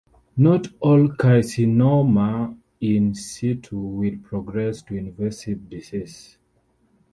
Not all carcinoma in situ will progress to invasive disease.